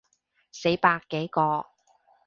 死百幾個